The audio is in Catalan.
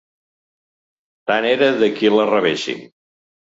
Tant era de qui la rebessin